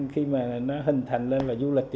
khi nó hình thành lên là du lịch